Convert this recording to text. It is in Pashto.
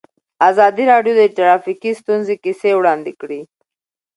ازادي راډیو د ټرافیکي ستونزې کیسې وړاندې کړي.